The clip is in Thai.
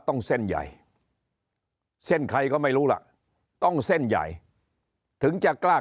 ต้องเส้นใหญ่เส้นใครก็ไม่รู้ล่ะต้องเส้นใหญ่ถึงจะกล้า